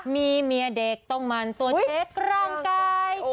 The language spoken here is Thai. มีเมียเด็กต้องมันตัวเช็คร่างกาย